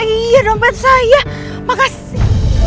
iya dompet saya makasih